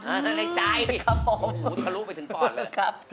ในใจนี่ครับผม